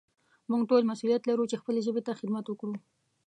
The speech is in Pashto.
موږ ټول مسؤليت لرو چې خپلې ژبې ته خدمت وکړو.